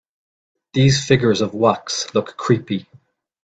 These figures of wax look creepy.